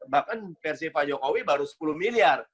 bahkan versi pak jokowi baru sepuluh miliar